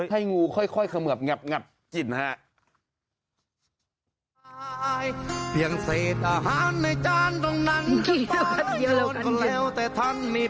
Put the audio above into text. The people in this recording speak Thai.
ให้งูค่อยเขมือบงับกินฮะ